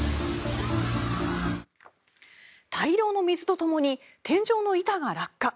大量の水とともに天井の板が落下。